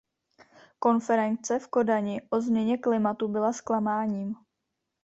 Konference v Kodani o změně klimatu byla zklamáním.